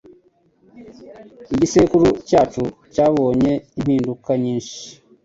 Igisekuru cyacu cyabonye impinduka nyinshi.